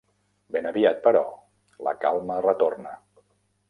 Ben aviat, però, la calma retorna.